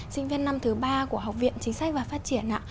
sinh viên năm thứ ba của học viện chính sách và phát triển ạ